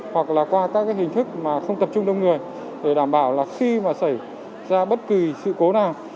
có thể là các hình thức mà không tập trung đông người để đảm bảo là khi mà xảy ra bất kỳ sự cố nào